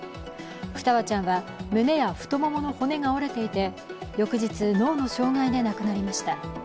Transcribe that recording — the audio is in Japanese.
双葉ちゃんは胸や太ももの骨が折れていて、翌日、脳の障害で亡くなりました。